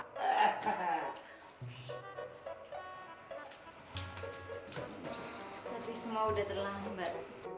tapi semua udah terlambat